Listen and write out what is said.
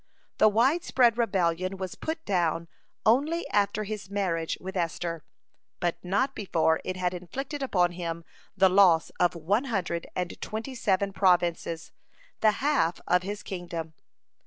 The widespread rebellion was put down only after his marriage with Esther, but not before it had inflicted upon him the loss of one hundred and twenty seven provinces, the half of his kingdom.